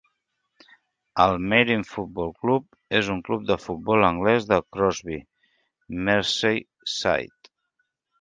El Marine Football Club és un club de futbol anglès de Crosby, Merseyside.